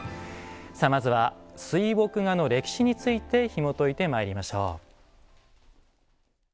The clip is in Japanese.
さあまずは水墨画の歴史についてひもといてまいりましょう。